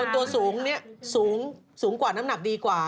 คนตัวสูงเนี่ยสูงกว่าน้ำหนักดีกว่า